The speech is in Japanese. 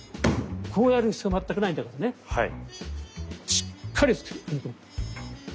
しっかりと踏み込む。